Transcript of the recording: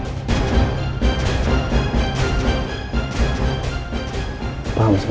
ini untuk excuse saya